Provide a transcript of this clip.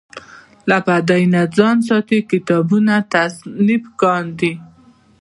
له بدۍ نه ځان ساتي کتابونه تصنیف کاندي.